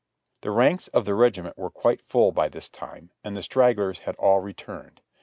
The ranks of the regiment were quite full by this time, and the stragglers had all returned.